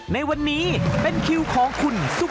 ตอนนี้ก็เป็นคิวของคุณสุภาวดี